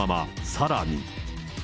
さらに。